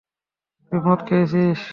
তুই মদ খেয়েছিস?